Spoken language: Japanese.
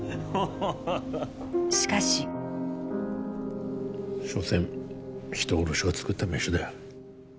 しかししょせん人殺しが作った飯だよ